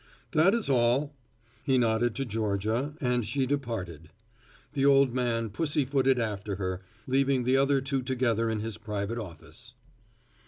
"That is all." He nodded to Georgia, and she departed. The old man pussy footed after her, leaving the other two together in his private office.